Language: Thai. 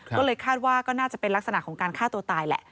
ก็เลยคาดว่าก็น่าจะเป็นลักษณะของการฆ่าตัวตายแหละ